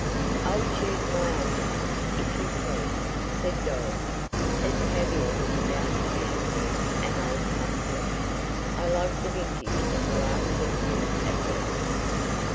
"I'll choose my own gun, if you please," said Dorothy, as Tavia was about to hand her an old musket. "I like the vintage of the last century at least."